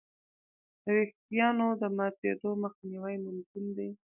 د وېښتیانو د ماتېدو مخنیوی ممکن دی.